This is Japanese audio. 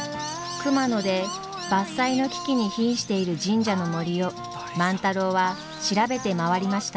熊野で伐採の危機にひんしている神社の森を万太郎は調べて回りました。